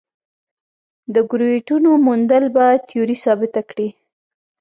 د ګرویټونو موندل به تیوري ثابته کړي.